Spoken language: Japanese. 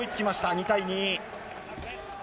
２対２。